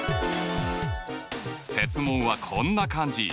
設問はこんな感じ。